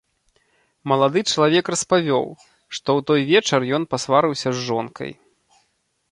Малады чалавек распавёў, што ў той вечар ён пасварыўся з жонкай.